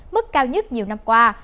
mức cao nhất nhiều năm qua